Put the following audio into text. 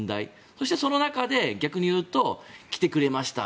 そしてその中で逆に言うと来てくれました、